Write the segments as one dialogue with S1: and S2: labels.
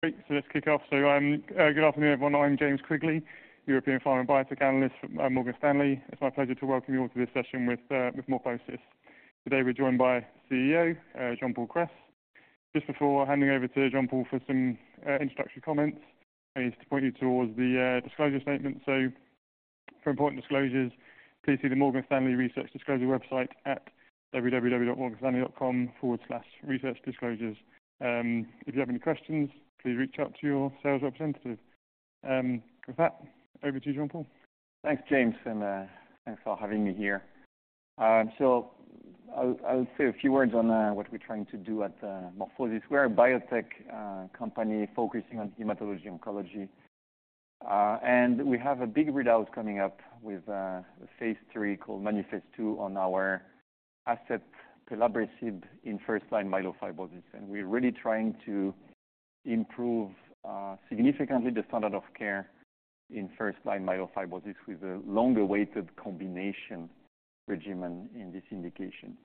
S1: So let's kick off. So, good afternoon, everyone. I'm James Quigley, European Pharma and Biotech Analyst from, Morgan Stanley. It's my pleasure to welcome you all to this session with, with MorphoSys. Today, we're joined by CEO Jean-Paul Kress. Just before handing over to Jean-Paul for some, introductory comments, I need to point you towards the, disclosure statement. So for important disclosures, please see the Morgan Stanley Research Disclosure website at www.morganstanley.com/researchdisclosures. If you have any questions, please reach out to your sales representative. With that, over to you, Jean-Paul.
S2: Thanks, James, and thanks for having me here. So I'll say a few words on what we're trying to do at MorphoSys. We're a biotech company focusing on hematology oncology. And we have a big readout coming up phase III, called MANIFEST-2, on our asset pelabresib in first-line myelofibrosis. And we're really trying to improve significantly the standard of care in first-line myelofibrosis with a longer-weighted combination regimen in this indication.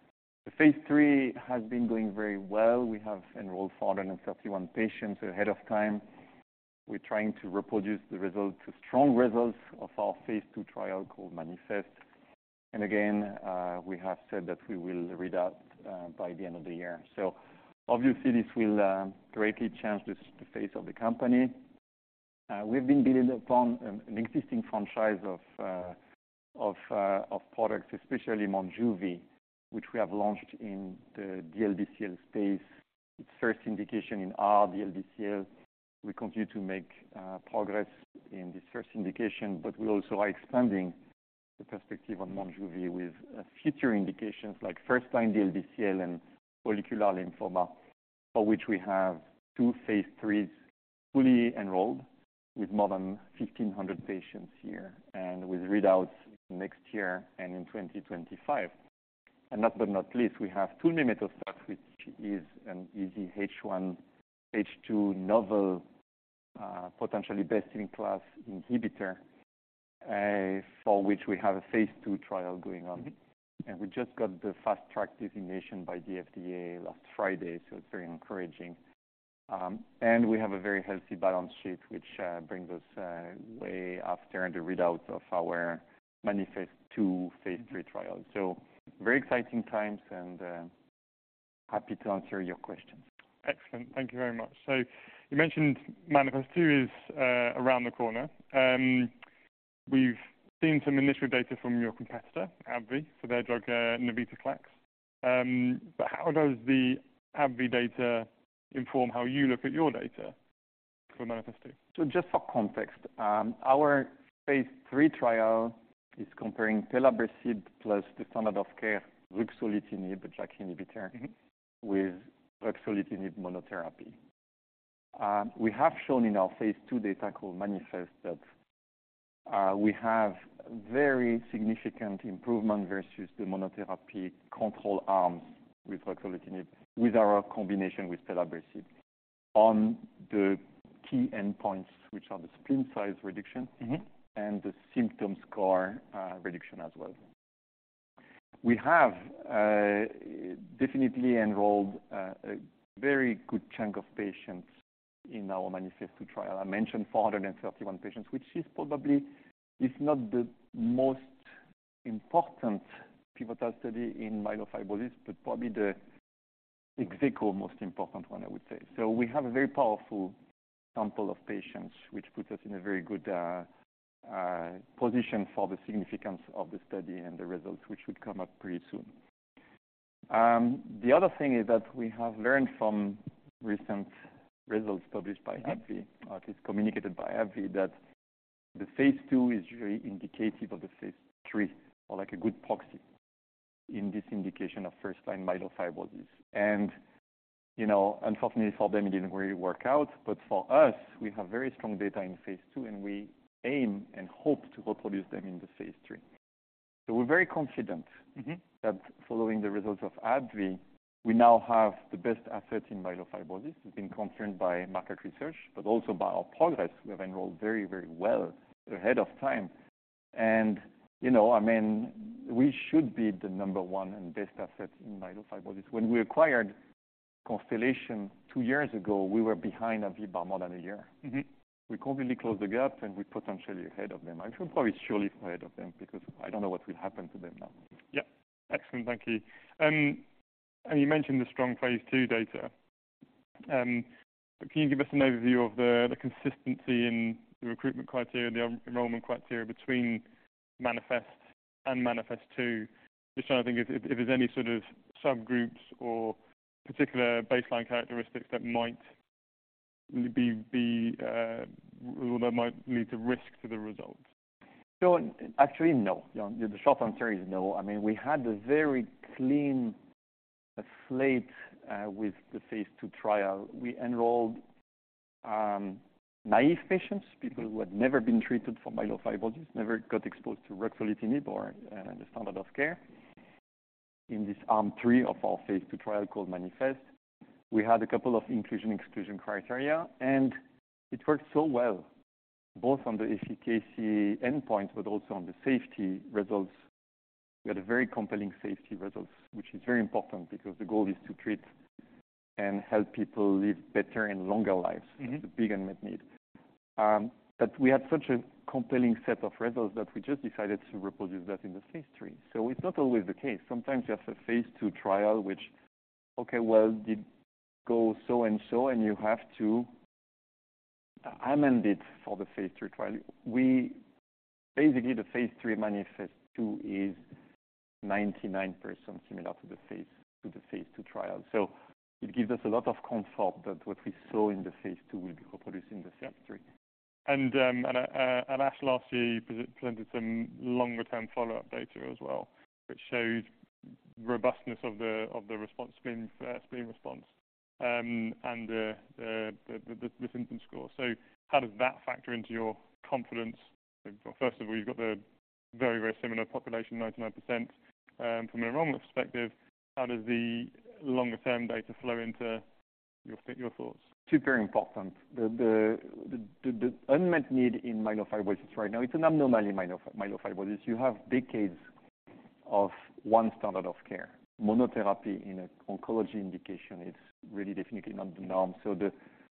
S2: Phase III has been going very well. We have enrolled 431 patients ahead of time. We're trying to reproduce the result to strong results of our phase II trial called MANIFEST. And again, we have said that we will read out by the end of the year. So obviously, this will greatly change this, the face of the company. We've been building upon an existing franchise of products, especially Monjuvi, which we have launched in the DLBCL space. It's first indication in our DLBCL. We continue to make progress in this first indication, but we also are expanding the perspective on Monjuvi with future indications like first-line DLBCL and follicular lymphoma, for which we have phase IIIs fully enrolled with more than 1,500 patients here, and with readouts next year and in 2025. And last but not least, we have tulmimetostat, which is an EZH1, EZH2 novel, potentially best-in-class inhibitor, for which we have a phase II trial going on. And we just got the Fast Track designation by the FDA last Friday, so it's very encouraging. We have a very healthy balance sheet, which brings us way after the readout of our phase III trial. Very exciting times, and happy to answer your questions.
S1: Excellent. Thank you very much. So you mentioned MANIFEST-2 is around the corner. We've seen some initial data from your competitor, AbbVie, for their drug, navitoclax. But how does the AbbVie data inform how you look at your data for MANIFEST-2?
S2: So just for context, phase III trial is comparing pelabresib plus the standard of care, ruxolitinib, the JAK inhibitor, with ruxolitinib monotherapy. We have shown in our phase II data called MANIFEST that we have very significant improvement versus the monotherapy control arms with ruxolitinib, with our combination with pelabresib. On the key endpoints, which are the spleen size reduction.
S1: Mm-hmm.
S2: and the symptom score reduction as well. We have definitely enrolled a very good chunk of patients in our MANIFEST-2 trial. I mentioned 431 patients, which is probably, if not the most important pivotal study in myelofibrosis, but probably the ex aequo most important one, I would say. So we have a very powerful sample of patients, which puts us in a very good position for the significance of the study and the results, which would come up pretty soon. The other thing is that we have learned from recent results published by AbbVie, or at least communicated by AbbVie, that the phase II is very indicative of phase III, or like a good proxy in this indication of first-line myelofibrosis. You know, unfortunately for them, it didn't really work out, but for us, we have very strong data in phase II, and we aim and hope to go produce them in phase III. so we're very confident-
S1: Mm-hmm.
S2: That following the results of AbbVie, we now have the best asset in myelofibrosis. It's been confirmed by market research, but also by our progress. We have enrolled very, very well ahead of time. And, you know, I mean, we should be the number one and best asset in myelofibrosis. When we acquired Constellation two years ago, we were behind AbbVie by more than a year.
S1: Mm-hmm.
S2: We completely closed the gap, and we're potentially ahead of them. I should probably surely be ahead of them because I don't know what will happen to them now.
S1: Yeah. Excellent. Thank you. And you mentioned the strong phase II data. Can you give us an overview of the consistency in the recruitment criteria, the enrollment criteria between MANIFEST and MANIFEST-2? Just trying to think if there's any sort of subgroups or particular baseline characteristics that might be or that might lead to risk to the results.
S2: So actually, no. The short answer is no. I mean, we had a very clean slate with the phase II trial. We enrolled naive patients, people who had never been treated for myelofibrosis, never got exposed to ruxolitinib or the standard of care. In this arm three of our phase II trial, called MANIFEST, we had a couple of inclusion/exclusion criteria, and it worked so well, both on the efficacy endpoint, but also on the safety results. We had a very compelling safety results, which is very important because the goal is to treat and help people live better and longer lives.
S1: Mm-hmm.
S2: It's a big unmet need. But we had such a compelling set of results that we just decided to reproduce that in phase III. so it's not always the case. Sometimes you have a phase II trial, which, okay, well, it goes so and so, and you have to amend it for phase III trial. Basically, phase III MANIFEST-2 is 99% similar to the phase II trial. So it gives us a lot of comfort that what we saw in the phase II will be reproduced in the phase III.
S1: And at ASH last year, you presented some longer-term follow-up data as well, which showed robustness of the response, spleen response, and the symptom score. So how does that factor into your confidence? First of all, you've got the very, very similar population, 99%. From an enrollment perspective, how does the longer-term data flow into your thoughts?
S2: Super important. The unmet need in myelofibrosis right now, it's an abnormally myelofibrosis. You have decades of one standard of care. Monotherapy in an oncology indication is really definitely not the norm. So the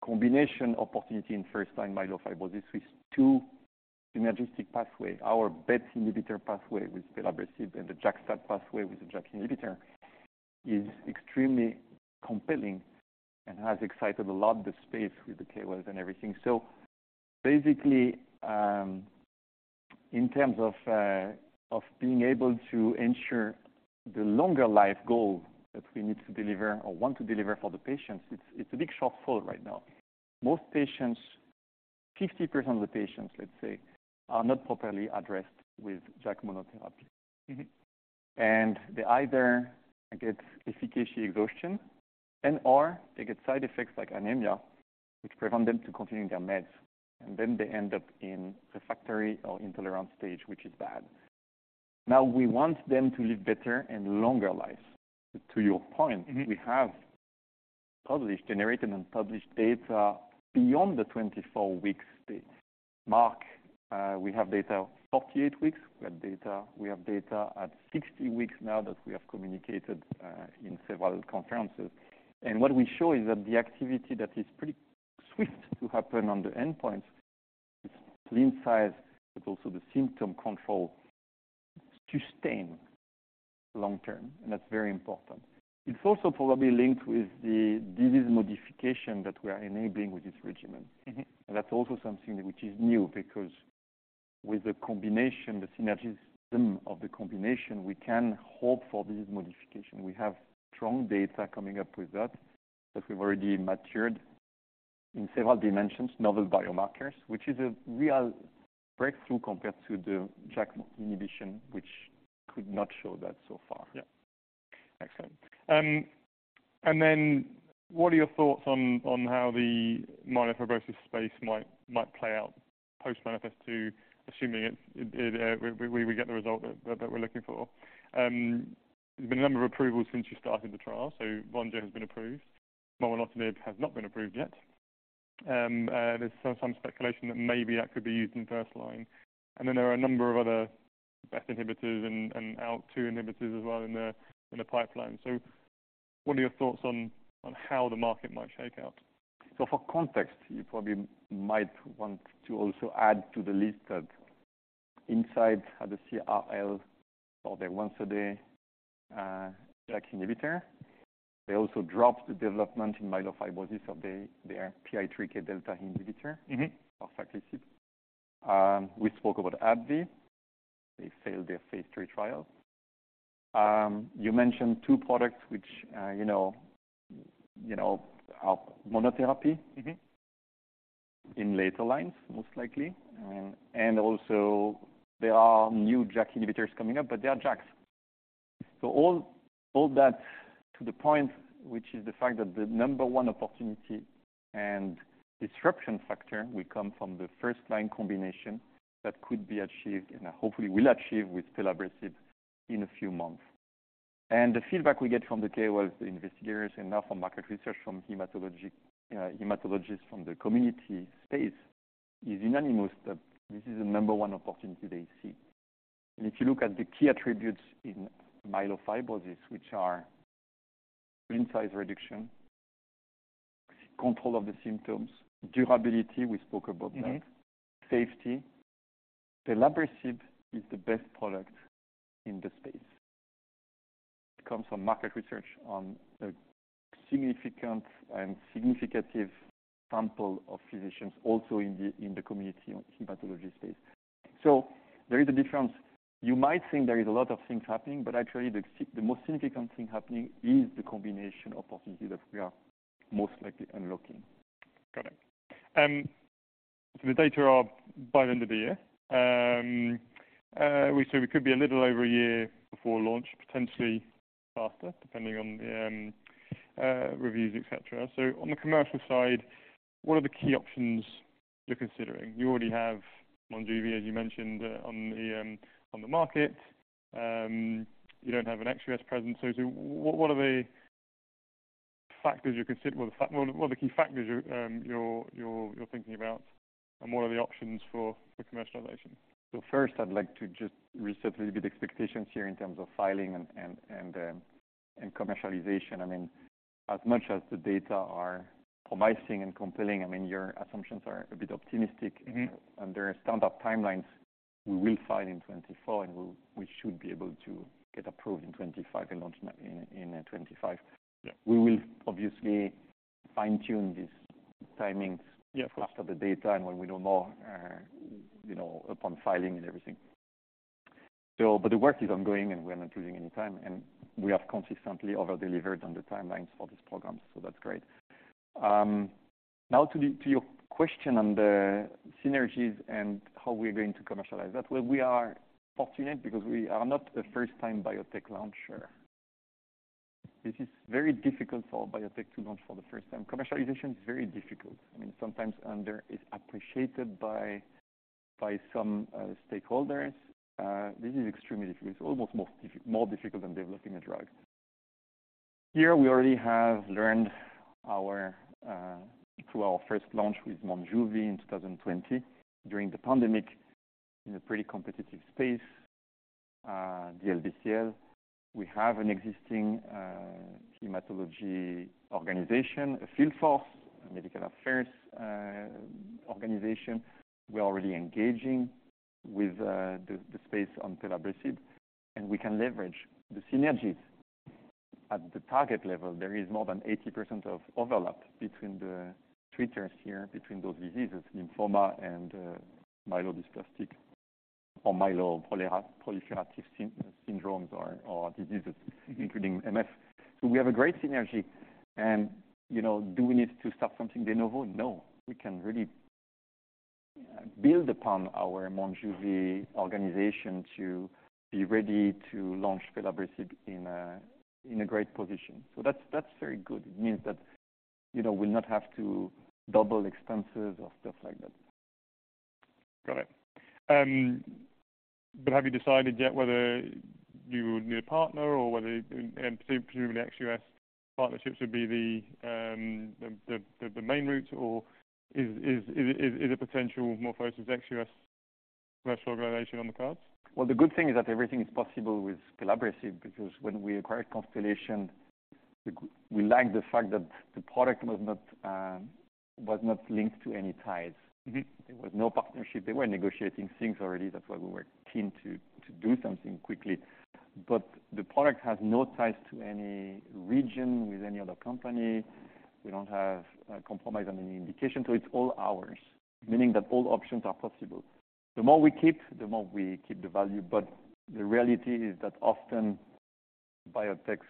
S2: combination opportunity in first-line myelofibrosis with two synergistic pathway, our BET inhibitor pathway with pelabresib and the JAK-STAT pathway with the JAK inhibitor, is extremely compelling and has excited a lot the space with the KOLs and everything. So basically, in terms of of being able to ensure the longer life goal that we need to deliver or want to deliver for the patients, it's a big shortfall right now. Most patients, 50% of the patients, let's say, are not properly addressed with JAK monotherapy.
S1: Mm-hmm.
S2: And they either get efficacy exhaustion, and/or they get side effects like anemia, which prevent them to continuing their meds, and then they end up in refractory or intolerant stage, which is bad. Now, we want them to live better and longer lives. To your point-
S1: Mm-hmm.
S2: We have published, generated and published data beyond the 24 weeks date mark. We have data 48 weeks. We have data, we have data at 60 weeks now that we have communicated in several conferences. And what we show is that the activity that is pretty swift to happen on the endpoints is the spleen size, but also the symptom control sustain long term, and that's very important. It's also probably linked with the disease modification that we are enabling with this regimen.
S1: Mm-hmm.
S2: That's also something which is new because with the combination, the synergism of the combination, we can hope for this modification. We have strong data coming up with that, that we've already matured in several dimensions, novel biomarkers, which is a real breakthrough compared to the JAK inhibition, which could not show that so far.
S1: Yeah. Excellent. And then what are your thoughts on how the myelofibrosis space might play out post-MANIFEST-2, assuming it we get the result that we're looking for? There's been a number of approvals since you started the trial. So Vonjo has been approved, momelotinib has not been approved yet. There's some speculation that maybe that could be used in first line. And then there are a number of other BET inhibitors and ALK2 inhibitors as well in the pipeline. So what are your thoughts on how the market might shake out?
S2: For context, you probably might want to also add to the list that Incyte had the CRL for the once-a-day JAK inhibitor, they also dropped the development in myelofibrosis of their PI3K delta inhibitor.
S1: Mm-hmm.
S2: -or parsaclisib. We spoke about AbbVie. They failed phase III trial. You mentioned two products, which, you know, you know, are monotherapy-
S1: Mm-hmm...
S2: In later lines, most likely. And also there are new JAK inhibitors coming up, but they are JAKs. So all that to the point, which is the fact that the number one opportunity and disruption factor will come from the first line combination that could be achieved, and hopefully will achieve with pelabresib in a few months. And the feedback we get from the KOLs, the investigators, and now from market research, from hematologists from the community space, is unanimous, that this is the number one opportunity they see. And if you look at the key attributes in myelofibrosis, which are spleen size reduction, control of the symptoms, durability, we spoke about that-
S1: Mm-hmm...
S2: safety. Pelabresib is the best product in the space. It comes from market research on a significant and significative sample of physicians also in the, in the community on hematology space. So there is a difference. You might think there is a lot of things happening, but actually, the most significant thing happening is the combination opportunity that we are most likely unlocking.
S1: Got it. So the data are by the end of the year. We said we could be a little over a year before launch, potentially faster, depending on the reviews, etc. So on the commercial side, what are the key options you're considering? You already have Monjuvi, as you mentioned, on the market. You don't have an ex-U.S. presence, so what factors you consider, well, the fact, well, what the key factors you're thinking about, and what are the options for commercialization?
S2: So first, I'd like to just reset a little bit expectations here in terms of filing and commercialization. I mean, as much as the data are promising and compelling, I mean, your assumptions are a bit optimistic.
S1: Mm-hmm.
S2: Under standard timelines, we will file in 2024, and we should be able to get approved in 2025 and launch in 2025.
S1: Yeah.
S2: We will obviously fine-tune these timings.
S1: Yeah, of course.
S2: After the data and when we know more, you know, upon filing and everything. So, but the work is ongoing, and we are not losing any time, and we have consistently over-delivered on the timelines for this program, so that's great. Now to the, to your question on the synergies and how we're going to commercialize that. Well, we are fortunate because we are not a first-time biotech launcher. This is very difficult for a biotech to launch for the first time. Commercialization is very difficult. I mean, sometimes underappreciated by some stakeholders. This is extremely difficult. It's almost more difficult than developing a drug. Here, we already have learned our through our first launch with Monjuvi in 2020, during the pandemic, in a pretty competitive space, the DLBCL. We have an existing, hematology organization, a field force, a medical affairs, organization. We're already engaging with, the space on Pelabresib, and we can leverage the synergies. At the target level, there is more than 80% of overlap between the treaters here, between those diseases, lymphoma and, myelodysplastic or myeloproliferative syndromes or diseases, including MF. So we have a great synergy and, you know, do we need to start something de novo? No. We can really build upon our Monjuvi organization to be ready to launch Pelabresib in a great position. So that's very good. It means that, you know, we'll not have to double expenses or stuff like that.
S1: Got it. But have you decided yet whether you would need a partner or whether, and presumably ex-US partnerships would be the main route, or is a potential MorphoSys ex-US commercial organization on the cards?
S2: Well, the good thing is that everything is possible with Pelabresib because when we acquired Constellation, we liked the fact that the product was not linked to any ties.
S1: Mm-hmm.
S2: There was no partnership. They were negotiating things already. That's why we were keen to do something quickly. But the product has no ties to any region with any other company. We don't have a compromise on any indication, so it's all ours, meaning that all options are possible. The more we keep, the more we keep the value, but the reality is that often, biotechs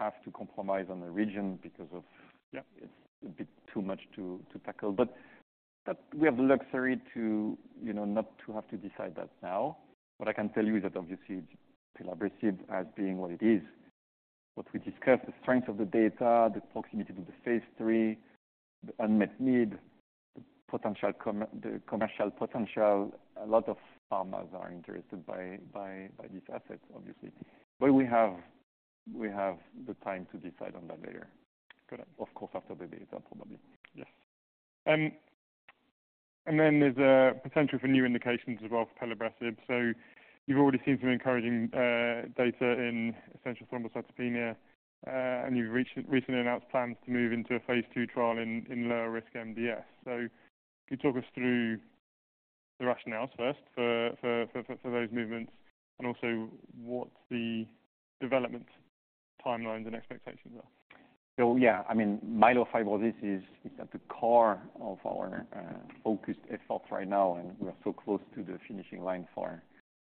S2: have to compromise on the region because of-
S1: Yeah...
S2: it's a bit too much to tackle. But that we have the luxury to, you know, not to have to decide that now. What I can tell you is that obviously, Pelabresib as being what it is, what we discussed, the strength of the data, the proximity to phase III, the unmet need, potential com... The commercial potential, a lot of pharmas are interested by this asset, obviously. But we have the time to decide on that later.
S1: Got it.
S2: Of course, after the data, probably.
S1: Yes. And then there's a potential for new indications as well for Pelabresib. So you've already seen some encouraging data in essential thrombocythemia, and you've recently announced plans to move into a phase II trial in lower risk MDS. So could you talk us through the rationales first for those movements and also what the development timelines and expectations are?
S2: So yeah, I mean, myelofibrosis is at the core of our focused efforts right now, and we are so close to the finishing line for,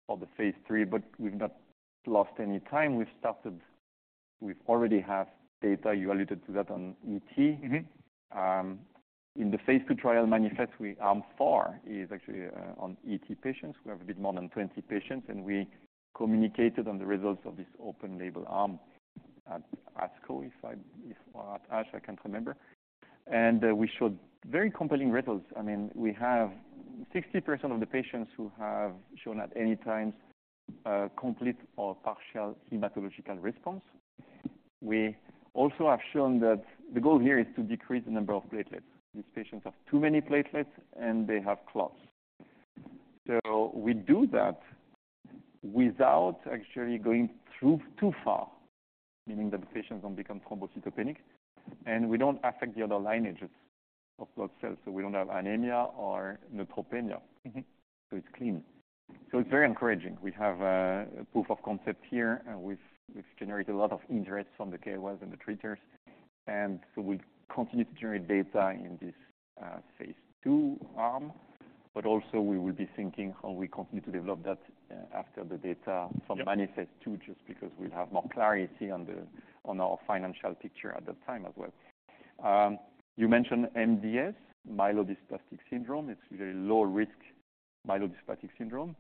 S2: for phase III. but we've not lost any time. We've started... We've already have data. You alluded to that on ET.
S1: Mm-hmm.
S2: In the phase II trial MANIFEST, we arm is actually on ET patients. We have a bit more than 20 patients, and we communicated on the results of this open label arm at ASCO or at ASH, I can't remember. And we showed very compelling results. I mean, we have 60% of the patients who have shown at any time complete or partial hematological response. We also have shown that the goal here is to decrease the number of platelets. These patients have too many platelets, and they have clots. So we do that without actually going through too far, meaning that the patients don't become thrombocytopenic, and we don't affect the other lineages of blood cells, so we don't have anemia or neutropenia.
S1: Mm-hmm.
S2: So it's clean. So it's very encouraging. We have a proof of concept here, and we've generated a lot of interest from the KOLs and the treaters, and so we continue to generate data in this phase II arm, but also we will be thinking how we continue to develop that after the data-
S1: Yeah
S2: -from MANIFEST-2, just because we'll have more clarity on our financial picture at that time as well. You mentioned MDS, myelodysplastic syndrome. It's very low risk myelodysplastic syndrome.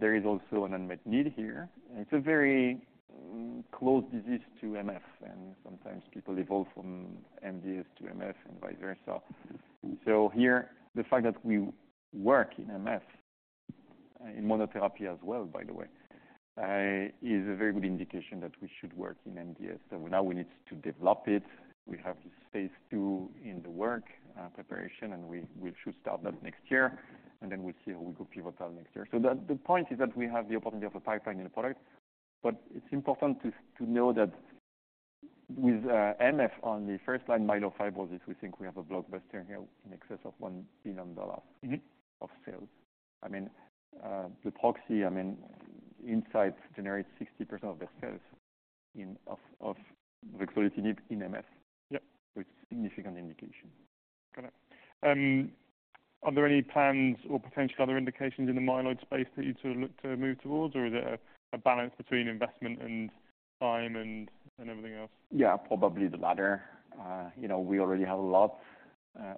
S2: There is also an unmet need here. It's a very close disease to MF, and sometimes people evolve from MDS to MF and vice versa. So here, the fact that we work in MF in monotherapy as well, by the way, is a very good indication that we should work in MDS. So now we need to develop it. We have the phase II in the work, preparation, and we should start that next year, and then we'll see how we could pivot that next year. So the point is that we have the opportunity of a pipeline in the product, but it's important to know that with MF on the first-line myelofibrosis, we think we have a blockbuster here in excess of $1 billion-
S1: Mm-hmm.
S2: of sales. I mean, the proxy, I mean, Incyte generates 60% of their sales in, of, of ruxolitinib in MF.
S1: Yep.
S2: It's significant indication.
S1: Got it. Are there any plans or potential other indications in the myeloid space that you two look to move towards, or is there a balance between investment and time and everything else?
S2: Yeah, probably the latter. You know, we already have a lot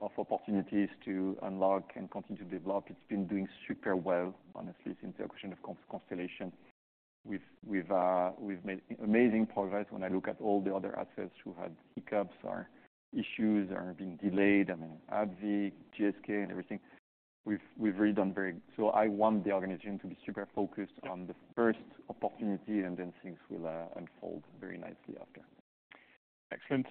S2: of opportunities to unlock and continue to develop. It's been doing super well, honestly, since the acquisition of Constellation. We've made amazing progress when I look at all the other assets who had hiccups or issues or are being delayed, I mean, AbbVie, GSK and everything. We've really done very... So I want the organization to be super focused-
S1: Yep.
S2: -on the first opportunity, and then things will unfold very nicely after.
S1: Excellent.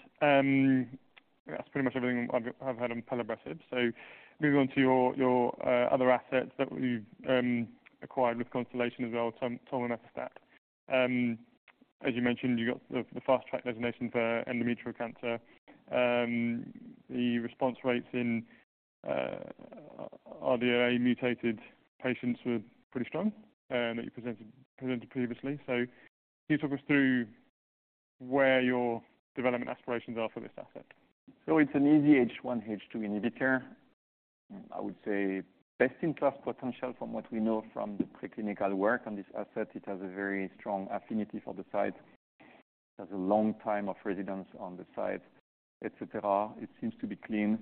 S1: That's pretty much everything I've heard on Pelabresib. So moving on to your other assets that you've acquired with Constellation as well, tulmimetostat. As you mentioned, you got the fast track designation for endometrial cancer. The response rates in ARID1A mutated patients were pretty strong and that you presented previously. So can you talk us through where your development aspirations are for this asset?
S2: So it's an EZH1, EZH2 inhibitor. I would say best-in-class potential from what we know from the preclinical work on this asset. It has a very strong affinity for the site. It has a long time of residence on the site, et cetera. It seems to be clean.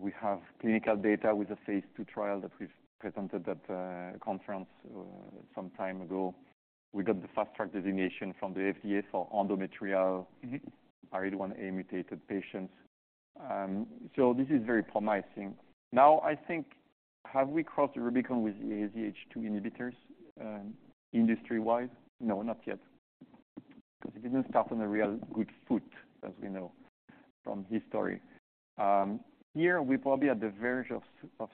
S2: We have clinical data with a phase II trial that we've presented at a conference some time ago. We got the Fast Track designation from the FDA for endometrial-
S1: Mm-hmm.
S2: ARID1A mutated patients. So this is very promising. Now, I think, have we crossed the Rubicon with the EZH2 inhibitors, industry-wise? No, not yet, because it didn't start on a real good foot, as we know from history. Here, we're probably at the verge of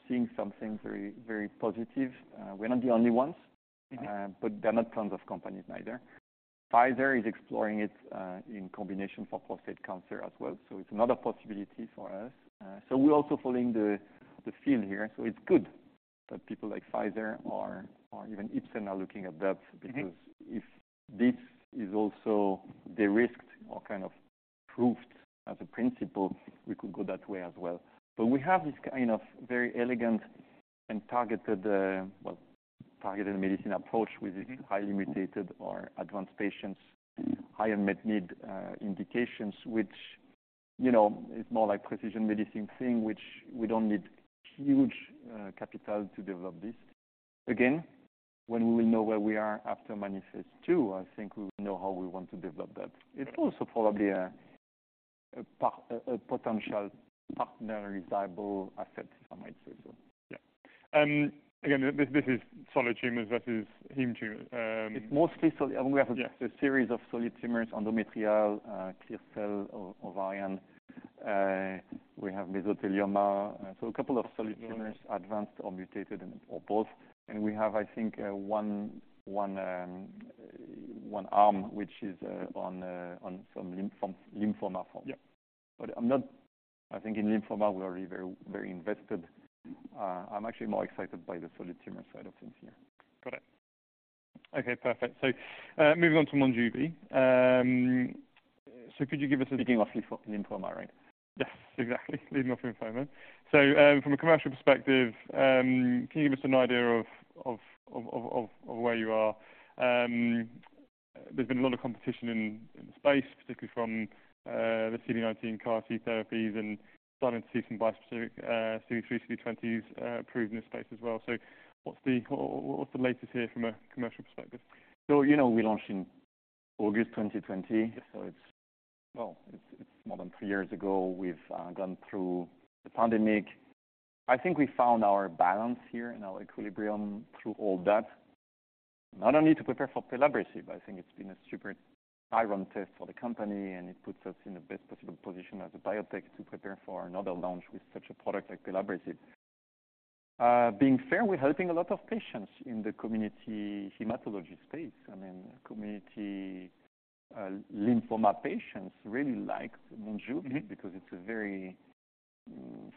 S2: seeing something very, very positive. We're not the only ones-
S1: Mm-hmm.
S2: But there are not tons of companies neither. Pfizer is exploring it in combination for prostate cancer as well, so it's another possibility for us. So we're also following the field here. So it's good that people like Pfizer or even Ipsen are looking at that.
S1: Mm-hmm.
S2: -because if this is also de-risked or kind of proved as a principle, we could go that way as well. But we have this kind of very elegant and targeted medicine approach-
S1: Mm-hmm.
S2: With this highly mutated or advanced patients, high unmet need indications, which, you know, is more like precision medicine thing, which we don't need huge capital to develop this. Again, when we will know where we are after MANIFEST-2, I think we will know how we want to develop that. It's also probably a potential partner desirable asset, I might say so.
S1: Yeah. Again, this is solid tumors versus heme tumors.
S2: It's mostly so-
S1: Yeah.
S2: We have a series of solid tumors, endometrial, clear cell, ovarian, we have mesothelioma, so a couple of solid tumors-
S1: Mm-hmm.
S2: advanced or mutated and, or both. And we have, I think, one arm, which is on some lymphoma form.
S1: Yep.
S2: But I'm not... I think in lymphoma, we're already very, very invested. I'm actually more excited by the solid tumor side of things here.
S1: Got it. Okay, perfect. So, moving on to Monjuvi. So could you give us a-
S2: Leading off lymphoma, right?
S1: Yes, exactly. Leading off lymphoma. So, from a commercial perspective, can you give us an idea of where you are? There's been a lot of competition in the space, particularly from the CD19 CAR-T therapies and starting to see some bispecific CD3, CD20s approved in this space as well. So what's the latest here from a commercial perspective?
S2: You know, we launched in August 2020.
S1: Yes.
S2: Well, it's more than three years ago. We've gone through the pandemic. I think we found our balance here and our equilibrium through all that. Not only to prepare for pelabresib, I think it's been a superb ironclad test for the company, and it puts us in the best possible position as a biotech to prepare for another launch with such a product like pelabresib. To be fair, we're helping a lot of patients in the community hematology space. I mean, community lymphoma patients really like Monjuvi.
S1: Mm-hmm.
S2: Because it's a very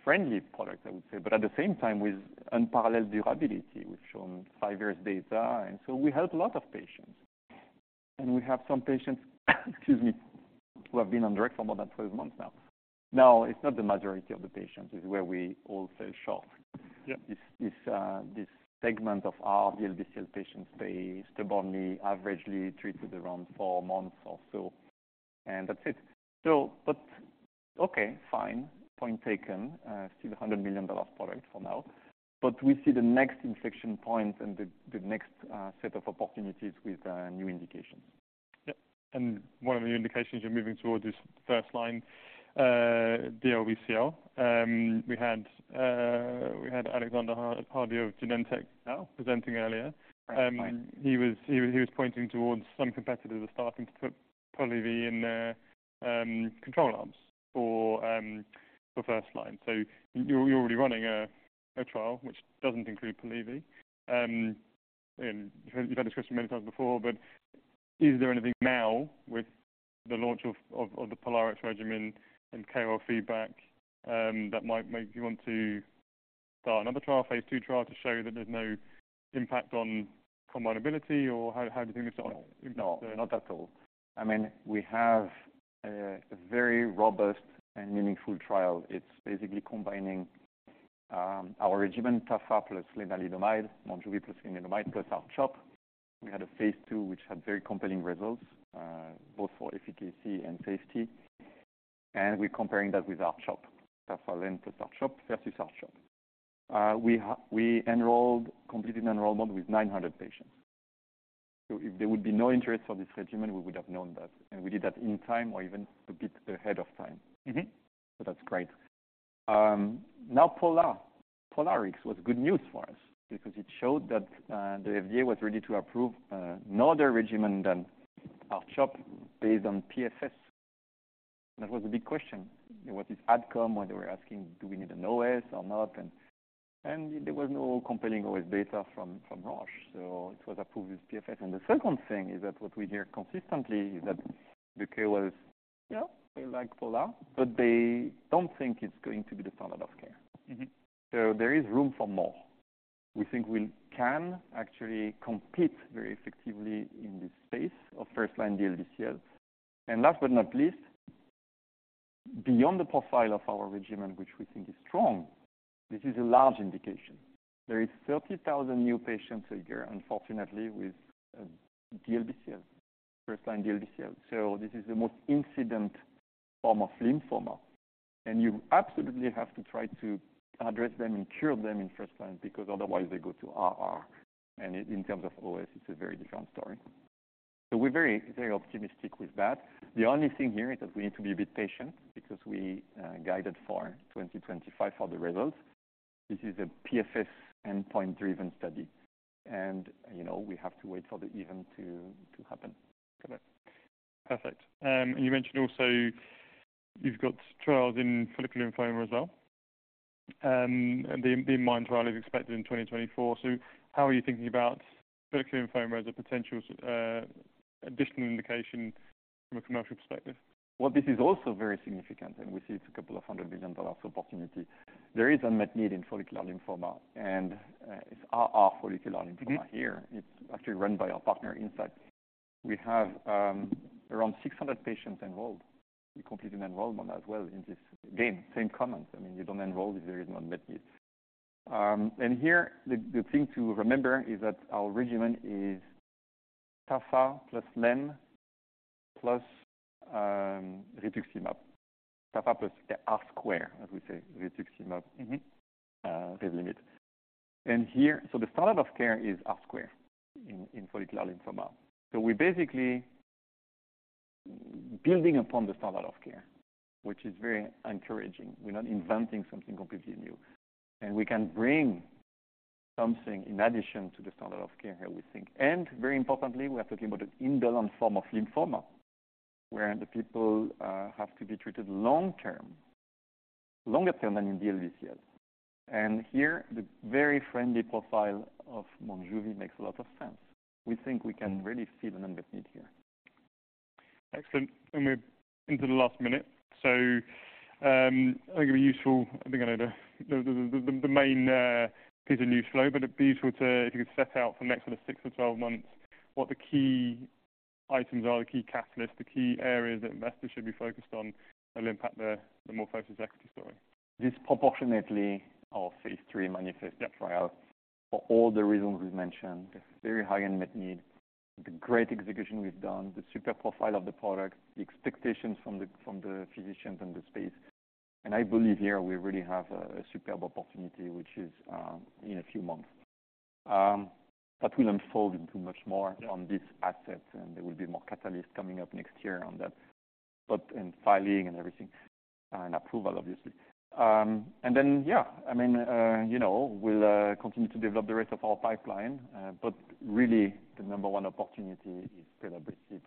S2: friendly product, I would say, but at the same time, with unparalleled durability. We've shown five years data, and so we help a lot of patients. And we have some patients, excuse me, who have been on direct for more than 12 months now. Now, it's not the majority of the patients is where we all sell short.
S1: Yep.
S2: This segment of our DLBCL patients, they stubbornly, averagely treated around four months or so, and that's it. So, but okay, fine. Point taken. Still a $100 million product for now, but we see the next inflection point and the next set of opportunities with new indications....
S1: Yep, and one of the indications you're moving towards is first-line DLBCL. We had Alexander Hardy of Genentech presenting earlier. He was pointing towards some competitors are starting to put Polivy in their control arms for first line. So you're already running a trial which doesn't include Polivy. And you've had this question many times before, but is there anything now with the launch of the POLARIX regimen and KOL feedback that might make you want to start another trial, phase II trial, to show that there's no impact on combinability, or how do you think this going?
S2: No, not at all. I mean, we have a very robust and meaningful trial. It's basically combining our regimen, Tafa plus Lenalidomide, Monjuvi plus Lenalidomide, plus R-CHOP. We had a phase II which had very compelling results both for efficacy and safety, and we're comparing that with R-CHOP. Tafa-Len plus R-CHOP versus R-CHOP. We enrolled, completed an enrollment with 900 patients. So if there would be no interest for this regimen, we would have known that, and we did that in time or even a bit ahead of time.
S1: Mm-hmm.
S2: So that's great. Now Pola. POLARIX was good news for us because it showed that the FDA was ready to approve no other regimen than R-CHOP based on PFS. That was a big question. Was this outcome, where they were asking, do we need an OS or not? And there was no compelling OS data from Roche, so it was approved as PFS. And the second thing is that what we hear consistently is that the KOLs were, yeah, we like Pola, but they don't think it's going to be the standard of care.
S1: Mm-hmm.
S2: So there is room for more. We think we can actually compete very effectively in this space of first-line DLBCL. And last but not least, beyond the profile of our regimen, which we think is strong, this is a large indication. There is 30,000 new patients a year, unfortunately, with DLBCL, first-line DLBCL. So this is the most incident form of lymphoma, and you absolutely have to try to address them and cure them in first line, because otherwise they go to RR, and in terms of OS, it's a very different story. So we're very, very optimistic with that. The only thing here is that we need to be a bit patient because we guided for 2025 for the results. This is a PFS endpoint-driven study and, you know, we have to wait for the event to happen.
S1: Correct. Perfect. You mentioned also you've got trials in follicular lymphoma as well. The inMIND trial is expected in 2024. So how are you thinking about follicular lymphoma as a potential additional indication from a commercial perspective?
S2: Well, this is also very significant, and we see it's $200 billion of opportunity. There is unmet need in follicular lymphoma, and it's RR follicular lymphoma here.
S1: Mm-hmm.
S2: It's actually run by our partner, Incyte. We have around 600 patients involved. We completed enrollment as well in this arm. Same comments. I mean, you don't enroll if there is no unmet need. And here, the thing to remember is that our regimen is Tafa plus Len plus Rituximab. Tafa plus R-squared, as we say, Rituximab.
S1: Mm-hmm
S2: Revlimid. Here, so the standard of care is R-squared in follicular lymphoma. So we're basically building upon the standard of care, which is very encouraging. We're not inventing something completely new, and we can bring something in addition to the standard of care here, we think. Very importantly, we are talking about an indolent form of lymphoma, where the people have to be treated long term, longer term than in DLBCL. Here, the very friendly profile of Monjuvi makes a lot of sense. We think we can really see the unmet need here.
S1: Excellent. And we're into the last minute, so, I think it'd be useful. I think I know the main piece of news flow, but it'd be useful to, if you could set out for next sort of six or 12 months, what the key items are, the key catalysts, the key areas that investors should be focused on that will impact the MorphoSys' equity story.
S2: Disproportionately, phase III MANIFEST trial, for all the reasons we mentioned, a very high unmet need, the great execution we've done, the super profile of the product, the expectations from the physicians in the space. And I believe here we really have a superb opportunity, which is in a few months. That will unfold into much more-
S1: Yeah
S2: - on this asset, and there will be more catalysts coming up next year on that, but, and filing and everything, and approval, obviously. And then, yeah, I mean, you know, we'll continue to develop the rest of our pipeline, but really, the number one opportunity is kind of received,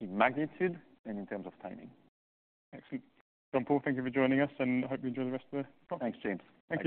S2: in magnitude and in terms of timing.
S1: Excellent. Jean-Paul, thank you for joining us, and hope you enjoy the rest of the talk.
S2: Thanks, James. Thank you.